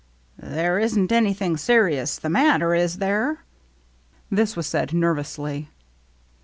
" There isn't anything serious the matter, is there?" This was said nervously.